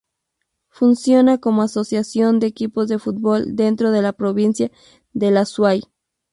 Funciona como asociación de equipos de fútbol dentro de la Provincia del Azuay.